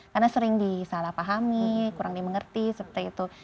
karena sering disalah pahami kurang dimengerti seperti itu